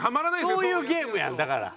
そういうゲームやんだから。